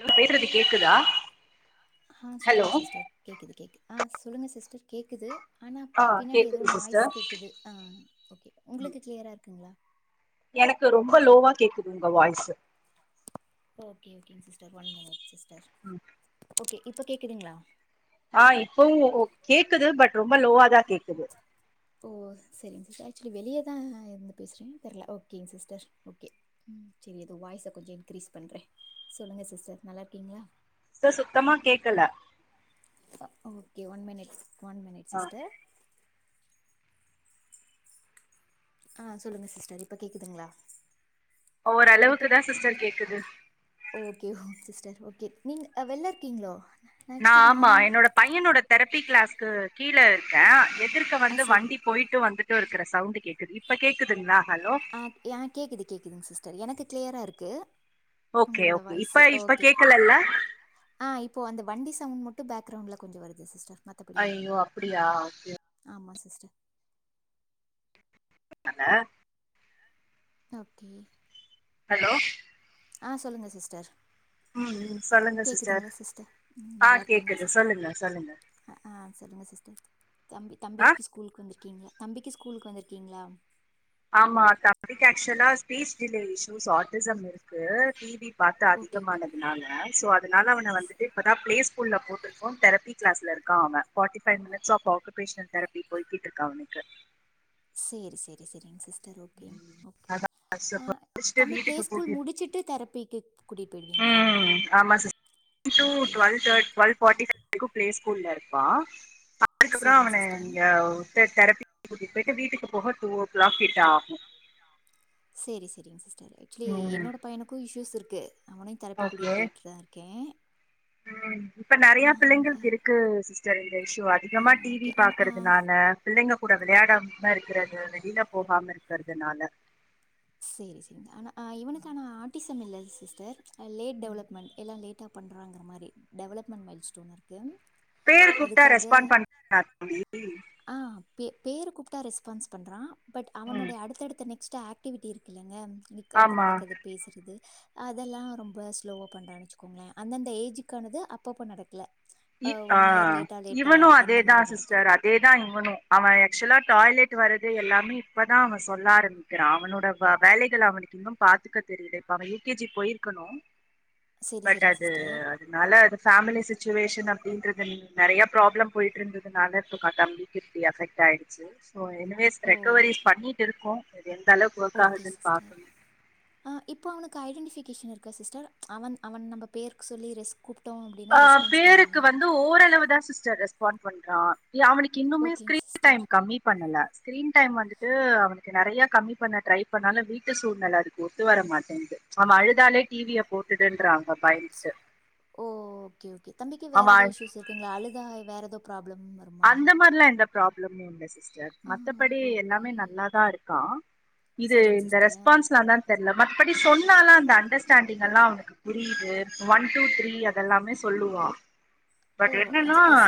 என் பேசுறது கேக்குதா ஆஹ் ஹலோ சொல்லுங்க சிஸ்டர் கேக்குது கேக்குது ஆஹ் சொல்லுங்கள் சிஸ்டர் கேட்குது ஆனால் ஆ பின்னாடி ஏதோ கேக்குது நாய்ஸ் சிஸ்டர் கேட்குது ஆ ஓகே ம் உங்களுக்கு கிளியராக இருக்குங்களா எனக்கு ரொம்ப லோவா கேக்குது உங்க வாய்ஸ்சு ஓகே ஓகேங்க sister one minute sister okay இப்ப கேக்குதுங்களா ஆஹ இப்பவு ஓ கேக்குது பட் ரொம்ப லோவாதான் கேக்குது ஓ சரிங்க சிஸ்டர் ஆக்சுவலி வெளியே தா இருந்து பேசுகிறே தெரல ஓகேங்க சிஸ்டர் ஓகே ம் சரி அது வாய்ஸ கொஞ்ச இன்க்ரீஸ் பண்ணுறேன் சொல்லுங்க சிஸ்டர் நல்லாருக்கீங்களா சுத்தமா கேக்கல okay one minute one minute ஆ சிஸ்டர் [inaudible] ஆஹ சொல்லுங்க சிஸ்டர் இப்ப கேக்குதுங்களா ஓர் இப்போ அளவுக்குத்தான் சிஸ்டர் கேக்குது ஓகே சிஸ்டர் ஓகே நீங்க வெளிய இருக்கீங்களோ நா ஆக்சுவலி ஆமா நான் என்னோட பையனோட தெறப்பு பி கிளாஸ்கு கீழ இருக்கே எ எதிர்க்கு ஆ வந்து சரி வண்டி போய்ட்டு வந்துட் எங்டோ இருக்கிற சவுண்ட் கேக்குது இப்ப கேக்குதுங்களா ஹலோ ஆஹ ஹ கேக்குது கேக்குதுங்க சிஸ்டர் எனக்கு கிளியரா இருக்கு ஓகே [unintelligible] உங்களோட ஓகே இப்ப வயசு இப்ப ஓகே கேக்கலல்ல இப்போ அந்த வண்டி சவுண்டு மட்டு பேக்ரவுண்டல கொ்ச [unintelligible] வருது சிஸ்டர் மற்றபடி எதுவும் அய்யோ இல்லை ம் அப்பிடியா [inaudible] [unintelligible] ஓகே ஹலோ ஆஹ சொல்லுங்க சிஸ்டர் உம் சொல்லுங்க சிஸ்டர் கேட்குதுங்களா ம் ஆஹ நல்லா கேக்குது சொல்லுங்க சொல்லுங்க செல்லுங்க சிஸ்டர் [unintelligible] தம்பி ஆ தம்பிக்கு ஸ்கூல்க்கு வந்து [unintelligible] தம்பிக்கு ஸ்கூலுக்கு வந்திருக்கீங்களா ஆமா தம்பிக்கு ஆக்சுவலா ஸ்பீச் டிலே இஸூ ஆர்டிசம் இருக்கு ஏ த [unintelligible] பாத்த ஓகே ஓகே அதிகமானதுனால சோ அதனால அவன வந்துட்டு இப்பதான பிளே ஸ்கூல்லல போட்டிருக்கோம் தெரபி கிளாஸ்ல இருக்கான் அவன் forty five minutes of occupational therapy போயிட்டு இருக்கான் அவனுக்கு சேரி சேரி சரிங்க சிஸ் அதான் முடிச்சுட்டு வீட்டுக்கு கூட்டிட்டு ம்படிச்சி கூ போயடுவீங்களா ம் ஆமா சிக்ஸ் டு டுவெல் [unintelligible] ஆ [unintelligible] அதுக்கப்புற அவன நீங்க உத்த தரப்பி குட்ட வீட்டுக்கு போக டூ ஓ கிளாக் கிட்டா ஆகு [inaudible] சேரி சேரிங்க சிஸ்டர் ஆக்சுவலி என்னோட பையனுக்கும் இஷ்யூஸ் இருக்கு [unintelligible] அவனயும் தரப்பி கூட்டிகிட்டு போயிட்டுதான் இருக்கேன் ஹீம் இப்ப நிறைய ஆ பிள்ளைங்களுக்கு இருக்கு சிஸ்டர் இந்த இஷ்யூ ஆ அதிகமா டிவி ஓகே ஆனா ஆ பாக்குறதுனால பிள்ளைங்க கூட விளையாடாம இருக்கிறது வெளியில போகாம இருக்கிறதுனால சேரி சரி ஆனா இவனுக்குான ஆர்டிஸ்ட் இல்ல சிஸ்டர் லேட் டெவலப்மெண்ட் எல்லாம் லேட்டா பண் ங்க மாதிரி டெவலப்மெண்ட் மைல் ஸ்டோன் இருக்கு பேர் கூப்பிட்டா அதுக்காக ரெஸ்பாண்ட் பண்ண பேர் கூப்பிட்டா ரெஸ்பான்ஸ் பண்றான் பட் ம் அவனுடைய அடுத்தடுடுத்த ந ஸ்டாட் ஆக்டிவிட்டி இருக்குல்லங்க நிக்கறது ஆமா நடக்கறது பேசுறது அதெல்லாம் ரொம்ப ஸ்லோவாக பண்ணறனுச்சுக்கோங்களேன் அந்தந்த ஏஜுக்கானது அப்பப்போ நடக்கல அ ஒன் இயர் ஆஹ் லேட்டா லேட்டா இவனும் அந்த மாரி அதேதான் நடக்குது சிஸ்டர் அதேதான் இவனும் அவன் ஆக்சுவலா டாய்லெட் வறது எல்லாமே இப்பதான் அவன் சொல்ல ஆரம்பிக்கிறான் அவனோட வேலைகலஅவனுக்கு இன்னும் பாத்துக்க தெரியல இப்ப அவன் யுகேஜி போயிருக்கணும் செரி பட் செரிங்க அது சிஸ்டர் அதனால அது ஃபேமிலி சுவேன் [inaudible] அப்படின்றது நிறைய ப்ராப்ளம் போயிட்டு இருந்ததுனால இப்ப தம்பிக்குப்படி எபெக்ட் ஆயிடுச்சு ஓ எனிவேஸ் ஓ ரெக்கவரி பண்ணிட்டுருக்கோம் எந்த அளவுக்கு ஓகே ஒர்க்காகுதுனு பாக்கனும் ஐடெடிபிகேஷன் இருக்க சிஸ்டர் அவன் அவன் நம்ம பேருக்கு சொல்லி ரிஸ்க் ஆஹ் பேருக்கு வந்து ஓரளவு தான் சிஸ்டர் ரெஸ்பான் பண்றான் அவனுக்கு இன்னுமே ஓகேங்க ஸ்கிரீன் சிஸ்டர் டைம் கம்மி பண்ணல ஸ்கிரீன் டைம் வந்துட்டு அவனுக்கு நிறையா கம்மி பண்ண ட்ரை பண்ணாலும் வீட்டு சூழ்நில இருக்கு ஒத்து வர மாட்டேங்து அவ அழுதாலே டிவிய போட்டுடுன்றாங் மொபைல்ட்டு ஓ ஓகே ஓகே தம்பிக்கு வேற ஏதாது இஷ்யூஸ் இருக்குங்களா அழுதா வேறது து பிர [unintelligible] அந்த மாதிரிலாம் எந்த ப்ராப்ளமும் இல்ல சிஸ்டர் ஆ மத்தபடி ஓகே எல்லாமே நல்லாதான் இருக்கான் இது செரிங்க இந்த சிஸ்டர் ரெஸ்பான்ஸ்ல்லாம் தான் தெரியல மத்தபடி சொன்ன னால அந்த அண்டர்ஸ்டாண்டிங் எல்லாம் அவனுக்கு புரியுது ஒன் டூ த்ரீ அதெல்லாமே சொல்லுவான் ஓ பட் என்னன்னா அஜ் அஸ்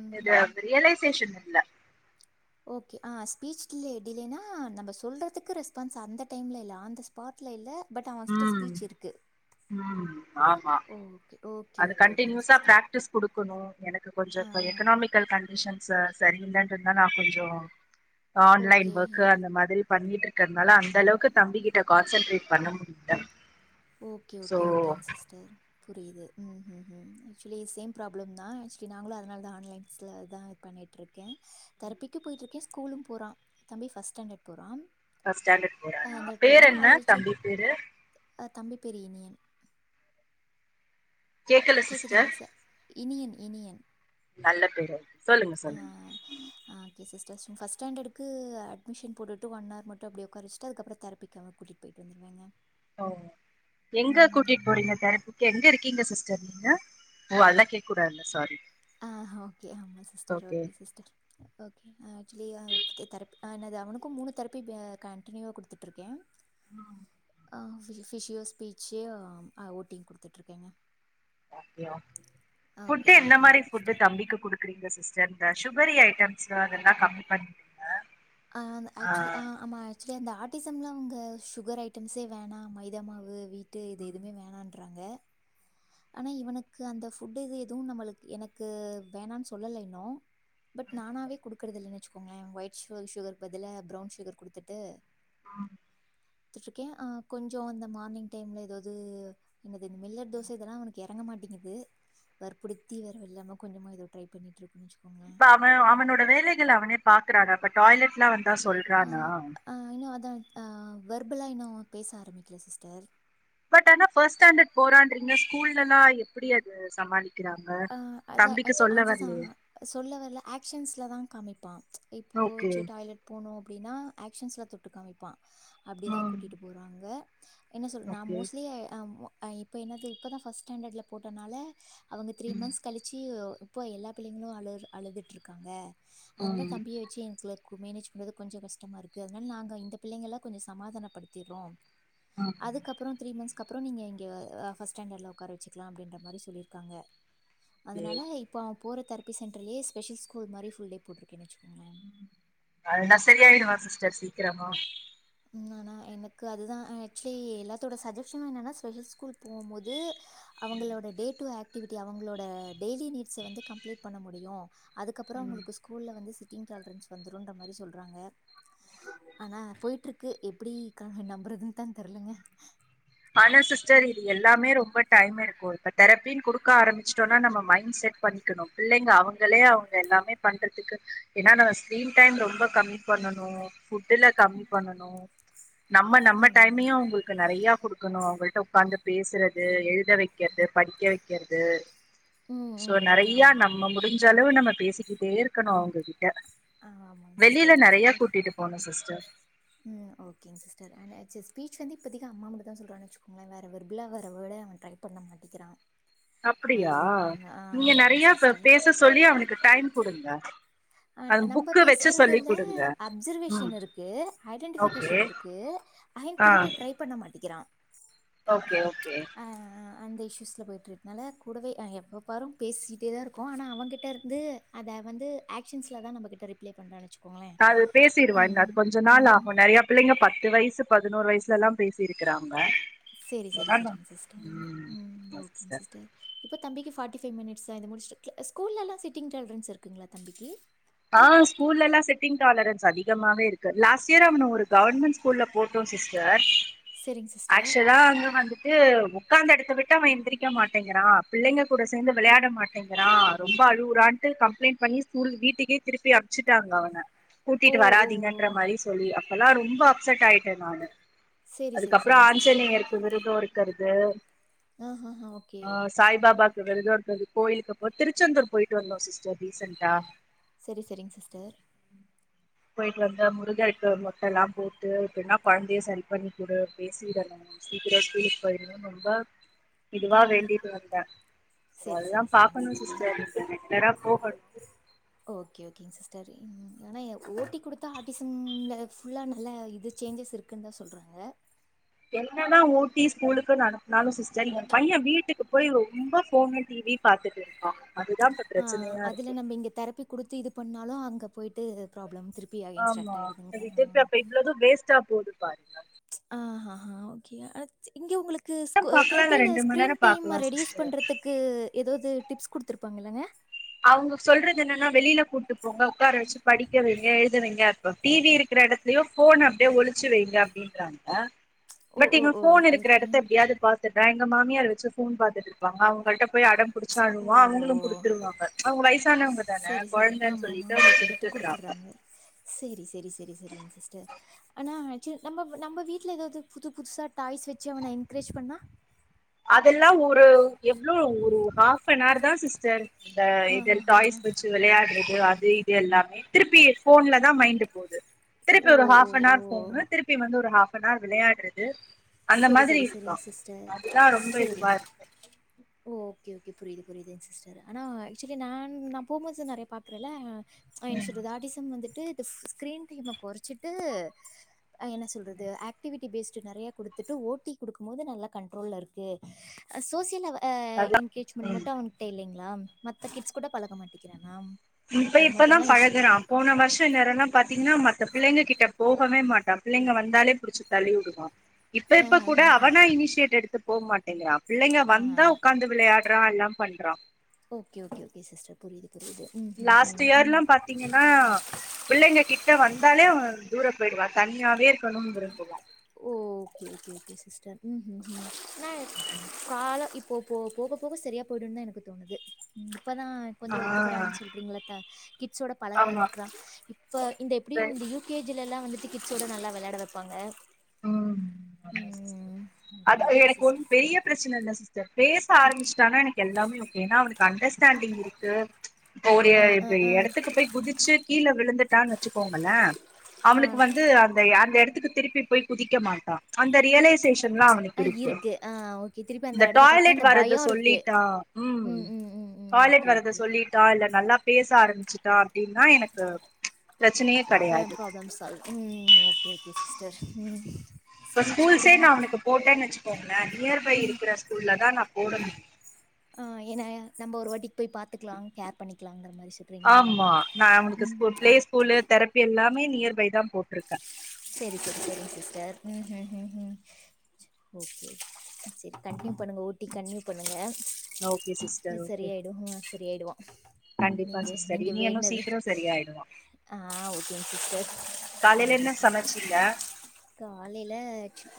ம் யெஸ் ம் அது ரியலைசேஷன் இல்ல ஓகே ஆ ஸ்பீச் ல டிலேனா நம்ம சொல்றதுக்கு ரெஸ்பான்ஸ் அந்த டைம்ல இல்ல அந்த ஸ்பாட்ல இல்ல பட் அவன் கிட்ட ம் ஸ்பீச் இருக்கு ம் ஆமா ஓகே ஓகே அது ஓகே, ஓகேங்க கண்டனியூஸா சிஸ்டர். பிராக்டிக்ஸ் குடுக்கணும் எனக்கு கொஞ்சம் ஆ, இப்ப எக்கனாமிக்கல் கண்டிஷன்ஸ் ச சரி இல்லைன்றத நா இருந்தா நான் கொஞ்சம் ஆன்லைன் ஓகே. ஒர்க்க அந்த மாதிரி பண்ணிட்டு இருக்கிறதுனால அந்த அளவுக்கு தம்பி கிட்ட கான்சன்ட்ரேட் பண்ண முடியல ஓகே சோ ஓகே ஓகேங்க சிஸ்டர் புரியுது ம் ம் ம் ஆக்சுவலி சேம் ப்ராப்ளம் தான் ஆக்சுவலி நாங்களும் அதனால தான் ஆன்லைன்ஸில் தான் இது பண்ணிகிடட்டுருக்கேன் தெரப்பிக்கு போயிட்டுருக்கேன் ஸ்கூலும் போறான் தம்பி ஃபஸ்ட் ஸ்டாண்டர்ட் போறான் ஸ்டாண்டர்ட் ஆ போரானா பேர் போறான். என்ன அது வச்சு தம்பி பேரு அ தம்பி பேரு இனியன் கேக்கல சிஸ்டர் கேட்குதுங்களா சார் இனியன் இனியன் நல்ல பேரு சொல்லுங்க சொல்லுங்க ஃபஸ்ட்ஸாண்டர்டுக்கு அட்மிஷன் போட்டுட்டு ஒன்னவர் மட்டும் அப்படியே உடக்காரச்சட்டு அதுக்கப்புறம் தெரப்பிக்கு அவ கூட்டிகிட்டு போயிட்டு வந்துருவேங்க ஓ எங்க கூட்டிட்டு போறீங்க தெரபிக்கு எங்க இருக்கீங்க சிஸ் ச ன ஓ அல்லாம் கேட்க கூடாது சாரி ஆஹ ஓகே ஆமா sister okay sister okay actually அ தெரப் என்னது உனக்கும் மூணு தெரப்பி கண்டினியூவா கொடுத்துட்டு இருக்கேன் உஹ [unintelligible] ஃஅபஷியோ ஸ்பீச்சே ஓட்டிங் கொடுத்துட்டுருக்கேங்க புட்டு என்ன ந்த ஓகேங்க மாதிரி ஃபுட்டு் சிஸ்டர் தம்பிக்கு குடுக்குறீங்க சிஸ்டர் த சுகரி ஐட்டம்ஸ் அதெல்லாம் கம்மி பண்ணுங்க அஹ் ஆக்சுவலி ஆமா ஆக்சுவலி அந்த ஆட் பாட்டிசம்லாம் அவங்க சுகர் ஐட்டம்ஸே வேணாம் மைதா மாவு வீட் ட்டு இது எதுமே வேணாம் பண்றாங்க ஆனா இவனுக்கு அந்த ஃபுட் இது எதுவும் நம்மளுக்கு எனக்கு வேணான்னு சொல்லல இன்னும் பட் நானாவே குடுக்குறத இல்லைன்னுநெனச்சுக்கோங்களேன் ஒயிட் சுகர் பதிலா பரவுன் சுகர் குடுத்துட்டு ஆஹ் [unintelligible] விட்டு இருக்கேன் ஆஹ் கொஞ்சம் அ அந்த மார்னிங் டைம்ல ஏதாவது என்னது இந்த மில்லட் தோசை இதெல்லாம் அவனக்கு இறங்க மாட்டேங்கு வேற்பிடுத்தி வேற இல்லாம கொஞ்சமா ட்ரை பண்ணிட்டு இருக்கு வச்சோ இப்ப அவன் அவனோட வேலைகள் அவனே பாக்குறான அப்ப டாய்லெட்லாம் வந்து சொல்றானா வர்பலா இன்னும் பேச ஆரம்பிக்கல சிஸ்டர் எப்படி அது சமாளிக்க ஆஹ் அத அதுதான் சொல்லவரல ஆ்சன்ஸ்லதான் காமிப்பான் ஓகே இப்போச்சு டாய்லெட் போனோ அப்படின்னா ஆக்ஷன்ஸில் தொட்டு காமிப்பான் அப்படிதான் ம் கூட்டிட்டு போறாங்க என்ன சொல் நான் ஓகே மோஸ்ட்லி ஹ இப்ப என்னது இப்பதான் ட்ரஸ்ட் ஸ்டாண்டர்ட்ல போட்டனால த்ரீ ம் மந்த்ஸ் கலச்சி இப்போது எல்லா பிள்ளைங்களும் அழு அழுதுகடட்டுருக்காங்க அதனால ம் தம்பியை வச்சு எனக்குல மேனேஜ் பண்றது கொஞ்சம் கஷ்டமா இருக்கு அதனால நாங்க இந்த பிள்ளை எல்லாம் கொஞ்சம் சமாதானப்படுத்தடுறோம் ம் அதுக்கப்புறம் த்ரீ மந்த்ஸ் அக்கப்புற நீங்க ஃபஸ்ட்ஸாண்டர்டில் உட்கார வச்சக்கலாம் அப்படின்ற மாதிரி சொல்லிருக்காங்க ஓகே அதனால இப்ப அவன் போற தர சென்ரலே ஸ்பஷல் கூல் மாிரபல்டே போருக்கன்னுச்சுங்க உ அத நான் சரியாயிடுவான் சிஸ்டர் சீக்கிரமா ம் ஆனா எனக்கு அதுதான் ஆக்சுவலி எல்லாத்தோட சப்ஜெக்ட்ஷும் என்னன்னா ஸ்பெஷல் ஸ்கூல் போகும் போது அவங்களோட டே டடு ஆக்ட் அவங்களோட டெய்லி நீட்ஸ் வந்து கம்ப்ளீட் பண்ண முடியும் அதுக்கப்புறம் ம் உங்களுக்கு ஸ்கூல்லல வந்து ன் வந்துரும்ன்ற மாதிரி சொல்றாங்க ஆனா போயிட்டு இருக்கு எப்படி கணவ் நம்புறதுன்னு தான் தெரலங்க ஆனா சிஸ்டர் இது எல்லாமே ரொம்ப டைம் இருக்கும் இப்ப தரப்பின்னு கொடுக்க ஆரம்பிச்சு நம்ம மைண்ட் செட் பண்ணி க்கும் பிள்ளைங்க அவங்களே அவங்க எல்லாமே பண்றதுக்கு ஏன்னா நம்ம ஸ்கிரீன் டைம் ரொம்ப கம்மி பண்ணனும் ஃபுட்டுல கம்மி பண்ணனும் நம்ம நம்ம ஆமாம் டைமையும் உங்களுக்கு நிறைய இருக்கணும் அவங்கள்ட்ட உ்காந்து பேசுறது எழுத வைக்கிறது படிக்க வைக்கிறது ம் சோ ம் ம் நிறைய ஆமாம் நம்ம முடிஞ்ச அளவு நம்ம பேசிக்கிட்டே இருக்கணும் அவங்க ஆ ஆமாங்க சிஸ்டர் [unintelligible] கூட்டிட்டு போணு சிஸ்டர் இப்பஓகே வந்து அம்மா மட்ட தா சொல்றாச [unintelligible] சுோங்களேன் வேற வெ்பிலா வேற வேர்ட அவன் ட்ரை பண்ண மாட்டேிக்கிறான் அப்புடியா நீங்க ஆமாமா நறைய சிஸ்டர். பேச சொல்லி அவனுக்கு டைம் குடுங்க அது ஹ நம்ம புக்கு வச்சு சொல்லி பேசுறதுல குடுங்க அப்சர்வேஷ ம் இருக்கு ஐடென்டிபிகேஷ ஓகே இருக்கு அன் ஆ திருப்பி ட்ரை பண்ண மாட்ட நடிக்கிறா [unintelligible] ஓகே ஓகே ஆஹஹ [unintelligible] அந்த இஷ்யூஸில் போய்டட்டுக்கனால கூடவே எப்பப்பாரு பேசிகிட்டே தா இருக்கோ ஆனா அவங்ககிட்ட இருந்து அத வந்து ஆக்ஷன்ஸில தா நம்மகிட்ட ரிப்ளே பண்ணறான்னுச்சோ அது பேசிடுவா அது கொஞ்ச நாள் ஆகு நறைய பிள்ளைங்க பத்து வயசு பத் பதினோரு வயசுல எல்லா பேசியிருக்கிறாங்க சேரி சேரி சரிங்க சிஸ்டர் ஓகே சிஸ்டர் இப்ப தம்பிக்கி ஃப [unintelligible] முடி ஸூல்ல எல்லாம்ட்டி்ரன்ஸ் இருக்குங்களா தம்பிக்கு ஆஹ ஸ்கூல எல்லா செட்டிங் டாலர் எடுத் சரி [unintelligible] வேகமாவே இருக்கு லாஸ்டியரா அவன ஒரு கவர்மெண்ட் ஸ்கூல்ல போட்டோ சிஸ்டர் சரிங்க சிஸ்டர். ஆக்சுவலா அங்க வந்துட்டு உக்காந்த இடத்த விட்டு அவன் எந்திரிக்க மாட்டேங்குறா பிள்ளங்க கூட சேந்து விளையாட மாட்டேங்குறா ரொம்ப அழவுறாட்டு கம்பளைண்ட் பண்ணி ஸ்கூல வீட்டுக்கே திருப்பி அமுச்சுட்டாங்க அவன ஓ! கூட்டிட்டு ஓ! வராதிங்கன்ற மாரி சொல்லி அப்பெல்லா ரொம்ப அப்செட்டா ஆயிட்டே நானு சரி, சரி, அதுக்கப்புற சரிங்க ஆஞ்சனேயர் சிஸ்டர். இருக்கு விருத இருக்கிறது உஹ [unintelligible] ஆஹஹா. ஓகே. உ சாய் பாபாக்கு விறுதோ எடுத்த கோயிலுக்கு அப்போ திருச்செந்தூர் போயிட்டு வந்தோ சிஸ்டர் ரீசென்டா சரி சரிங்க சிஸ்டர் போயிட்டு வந்த முருகருக்கு மொட்ட எல்லா போட்டு இப்பிடின்னா குழந்தைய சரி பண்ணி குடு பேசிடலா சீக்கிர ஸ்கூலுக்கு போயிருணனு ரொம்ப இதுவா ம். வேண்டிட்டு வந்தே சோ சரி, அததுதா சரி, சரிங்க பாகக்கணு சிஸ்டர் இ ரெகுலரா போகணு அ [unintelligible] ஓகே ஓகேங்க சிஸ்டர் ஆனா ஓட்டி குடுத்தா ஆரிசம்ல புல்லா நல்ல இது சேஞ்சஸ் இருக்குன்னு தா சொல்றாங்க எங்கனா ஓட்டி ஸ்கூலுக்கு அனுப்புனாலு சிஸ்டர் என் பைய வீட்டுக்கு போய் ரொம்ப போனு டிவி பாத்துட்டு இருக்கா அதுதா இப்ப ஆஹ பிரச்சனையா அதுல இருக்கு நம்ம இங்க தெரப்பி கொடுத்து இது பண்ணாலு அங்க போய்ட் இத பிராபளம் ஆமா அ திருப்பியாப்பா இவளது வேஸ்டா போது பாங்க [unintelligible] ஆஹ்ஹஹ் ஓகே ஆனா இங்க உங்களுக்கு க்கு பாக்கலா இல்ல தெரப்பியில ரெண்டு மண் ஸ்கிரீன் நேரோ டைம பாக்கலா ரெடியூஸ் சிஸ்டர் பண்றதுக்கு ஏதாவது டிப்ஸ் குடுத்துருப்பாங்க இல்லங்க அவங்க சொல்றது என்னன்னா வெளியில கூட்டு போங்க உட்கார வச்சு படிக்க வைங்க எழுதுவங்க அப்பறம் டிவி இருக்கிற இடத்துலயோ போன் அப்படியே ஒளிச்சு வைங்க அப்படின்றாங்க ஓ, பட் ஓ, இங்க ஓ! போன் ஓகே, இருக்கிற ஓகே. இடத்த எப்படியாவது பாத்துறேன் மாமியார் வச்சு போன் பார்த்தட்டு இருக்காங்க அவங்கள்ட்ட போய் அடம்ப புடிச்சி ஓ! அலுவுவான் அவங்களும் குடுத்துருவாங்க வயசானவங்க தானே சரி சரி குழந்தைன்னு ஆமமா சொல்லிட்டு அவங்க விட்டு குடுத்துடுறாங்க கொடுத்துடுறாங்க சரி சரி சரி சரிங்க சிஸ்டர் ஆனா நம்ம நம்ம வீடல ஏதாவது புது புதுசா டாய்ஸ் வச்சு அவனை என்கரேஜ் பண்ணா ல்லாம் ஒரு எவ்வளோ ஒரு ஹாப்ஃப்ப நார் தா சிஸ்டர் இந்த இத ஆஹஹா! டாய்ஸ் வச்சு வெலையாடறது அது இது எல்லாமே திருப்பி போன்ல தான் மைண்ட் போது திருப்பி ஓ, ஒரு ஓ, ஓ! ஹாஃப்னர் போனு திருப்பி வந்து ஒரு ஹாப் இனா விளையாடுறது அந்த சரி மாதிரி சரி இருக்கு சரிங்க சிஸ்டர் அதுதா ரொம்ப இதுவா சரிங்க இருக்கு ஓகே ஓகே புரியுது புரியுதுங்க சிஸ்டர் ஆனால் ஆக்சுவலி நான் நான் போம்போது நிறையா பார்க்கறேல அ ன்ன ம் சொல்றது ஆடிசம் வந்துட்டு ஸ்கீரீன டைம குறைச்சிட்டு என்ன சொல்றது ஆக்டிவிட்டி பேஸ்ட் நிறைய கொடுத் த்துட்டு ஓட்டி கொடுக்கும் போது நல்ல கண்ட்ரோல இருக்கு சோசியல அவ அதா என்கேஜ்மெண்ட் ம் மட்டும் அவன்ட இல்லைங்க மத்த கிட்ஸ் கூட பழக மாட்டேிக்கிறானா இப்ப இப்பதான் பழகுறான் போன வருஷம் இன்நேரம்னா பாத்தீங்கன்னா மத்த பிள்ளைங்க கிட்ட க போகவே மாட்டான் பிள்ளைங்க வந்தாலே புடிச்சு தள்ளி விடுவான் இப்ப இப்ப கூட ஆஹஹஹ. அவனா இனிஷியேட் எடுத்து போ மாட்டேங்கிறான் இல்லைங்க ஆ. வந்தா உட்கார்ந்து விளையாடுறான் எல்லாம் பண்றான் ஓகே, ஓகே, ஓகே சிஸ்டர். புரியுது, புரியுது. ம், ம், லாஸ்ட் ம். இயர்ல்லாம் பாத்தீங்கன்னா பிள்ளைங்க கிட்ட வந்தாலே தூர போயிடுவா தனியாவ இரு oh okay okay okay sis ம்ம் ஆ கால இப்போ போ போக போக சரியா போயி்டும்ன்னு தான் எனக்கு தோணுது இப்பதான் ஆ கொஞ்சம் ஒத்துக்கிறான் சொல்றீங்கள த்த கிட்ஸோட பழக ஆமா ஆரம்பிக்கிறான் இப்ப இந்த எப்படியும் சரி இந்த யுகேஜி லல்லாம் வந்து கிட்ஸ்யோடநல்ல வில வைப்பாங்க உம் ம். ஓகே, அது ஓகே எனக்கு சிஸ்டர். ஒன்னும் பெரிய பிரச்சனை இல் சிஸ்டர் பே என் பேசிட்டான எனக்கு எல்லாமே ஓகேனா அண்டர்ஸ்டாண்டிங் இருக்கு இப்ப ஓகே. ஒரு அ, அ, அ, இடத்துக்கு போய் குதிச்சு கீழே விழுந்துட்டான்னு வச்சுக்கோங்களேன் ஆ, அவனுக்கு வந்து அந்த அந்த இடத்துக்கு திருப்பி போய் குதிக்க மாட்டான் அந்த ரியலைஸ் சேஷன் அவனுக்கு ஆ இருக்கு ஆ ஓகே. திருப்பி இந்த அந்த இடத்த பார்த்தா டாய்லெட் அந்த வரத பயம் இருக்கு. சொல்லிட்டா ம், ம், ம், ம். டாய்லெட் ஓகே, வரத ஓகே. சொல்லிட்டா இல்ல நல்லா பேச ஆரம்பிச்சுட்டா அப்டின்னா எனக்கு பிரச்சனையே கெடையாது பராப்ளம் சால்வ் உம் ஓகே ஓகே சிஸ்டர் உம் இப்ப ஸ்கூல்ஸே நான் உனக்கு போட்டேன்னு வச்சு க நியர்பை ம் இருக்கிற ஸ்கூல்ல தான் நான் போடணும் டி போய் பாத்துக்கலாம் கேர் பண்ணிக்காலங்குற மாதிரி ஆமா நான் அவனுக்கு பிளே ஸ்கூல்லு தெரப்பி எல்லாம் மே நியர்பை தான் போட்டிருக்கேன் சரி சரி சரிங்க சிஸ்டர் ம்ம்ம் ஓகே சரி கண்டினியூ பண்ணுங்க ஊட்டி கண்டினியூ பண்ணுங்க ஓகே சிஸர் ஓகே சரியாயிடு சரியாயிடுவா கண்டிப்பா நீங்க சிஸ்டர் இனியனும் சீக்கிரம் சரியாயிடுவான் ஆஹ் ஓகேங்க சிஸ்டர் காலைல தேங்கயு என்ன சிஸ்டர் சமச்சீங்க காலையில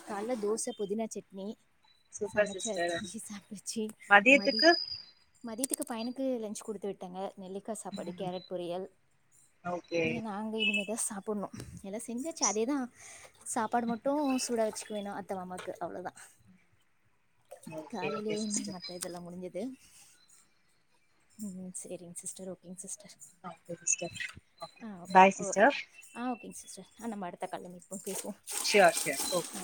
காலையில தோசை புதினா சட்னி சூப்பர் சமைச்சு சிஸ்டர் வச்சு சாப்பிச்சு மதி மதியத்துக்கு மதியத்துக்கு பயண கு லன்ச் கொடுத்து விட்டேங்க நெல்லிக்காய் சாப்பாடு ம் கேரட் பொரியல் ஓகே யே நாங்க இனிமேதான் சாப் புடணும் எல்லாம் செஞ்சாச்சு அதேதான் சாப்பாடு மட்டும் சூட வச்சு வேணும் அத்த மாமாக்கு அவ்வளோ தான் ஓகே ஓகே காலைலயே சிஸ்டர் மத்த இதல்லாம் முடிஞ்சது உம் செரிங்க சிஸ்டர் ஓகேங்க சிஸ்டர் ஆஹ் ஓகே சிஸ்டர் ஆஹ் ஓகே பாய் ஓ சிஸ்டர் ஆஹ் ஓ கே சி்ஸ்டர் நம்ப அடுத்த கால்ல மீட் பண் பேசுவோ சியர் சியர் ஓகே